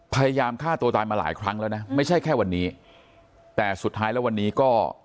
พยายามฆ่าตัวตายมาหลายครั้งแล้วนะไม่ใช่แค่วันนี้แต่สุดท้ายแล้ววันนี้ก็